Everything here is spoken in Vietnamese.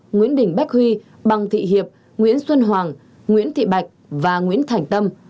nguyễn đình bách huy bằng thị hiệp nguyễn xuân hoàng nguyễn thị bạch và nguyễn thành tâm